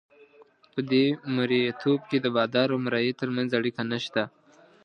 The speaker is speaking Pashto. په دې مرییتوب کې د بادار او مریي ترمنځ اړیکه نشته.